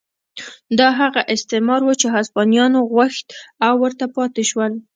دا هغه استعمار و چې هسپانویانو غوښت او ورته پاتې شول.